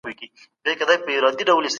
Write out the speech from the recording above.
له ستړیا پرته روانه وه